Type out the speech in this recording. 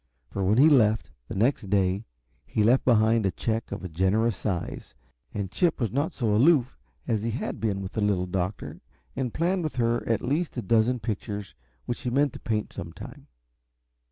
For when he left, the next day, he left behind him a check of generous size, and Chip was not so aloof as he had been with the Little Doctor, and planned with her at least a dozen pictures which he meant to paint some time.